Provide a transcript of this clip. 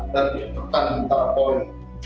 dan perubahan antar polis